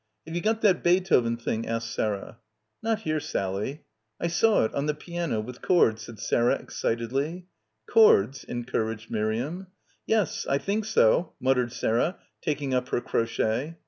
"Have you got that Beethoven thing?" asked Sarah. "Not here, Sally." "I saw it — on the piano— with chords," said Sarah excitedly. "Chords," encouraged Miriam. "Yes, I think so," muttered Sarah, taking up her crochet.